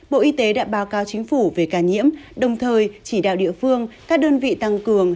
bộ y tế đã báo cáo chính phủ về ca nhiễm đồng thời chỉ đạo địa phương các đơn vị tăng cường